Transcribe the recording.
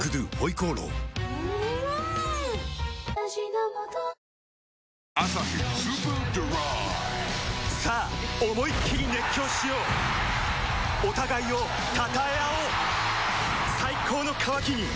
「のりしお」もね「アサヒスーパードライ」さあ思いっきり熱狂しようお互いを称え合おう最高の渇きにＤＲＹ